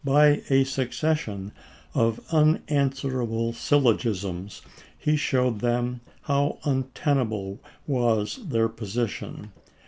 By a succession of unanswer able syllogisms he showed them how untenable was their position.